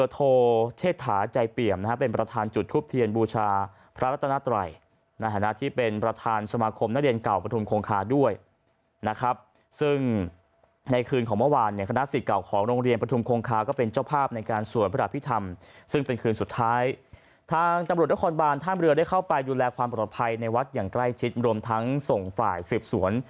เทฐาใจเปี่ยมเป็นประธานจุดทุบเทียนบูชาพระรัตนัตรัยในฐานะที่เป็นประธานสมาคมนักเรียนเก่าปฐุมคงคาด้วยนะครับซึ่งในคืนของเมื่อวานคณะศิษย์เก่าของโรงเรียนปฐุมคงคาก็เป็นเจ้าภาพในการสวนพระอภิษฐรรมซึ่งเป็นคืนสุดท้ายทางตำรวจและคนบาลท่ามเรือได้เข้าไปดูแลความป